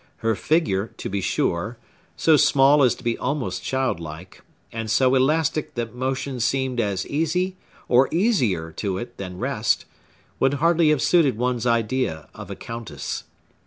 Her figure, to be sure,—so small as to be almost childlike, and so elastic that motion seemed as easy or easier to it than rest, would hardly have suited one's idea of a countess.